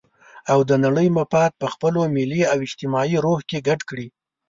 او د نړۍ مفاد په خپل ملي او اجتماعي روح کې ګډ کړي.